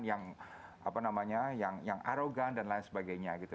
yang apa namanya yang arogan dan lain sebagainya gitu